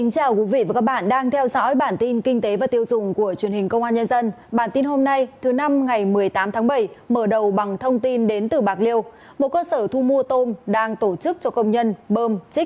cảm ơn các bạn đã theo dõi